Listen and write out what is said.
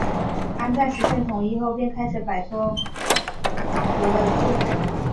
安赞实现统一后便开始摆脱暹罗的束缚。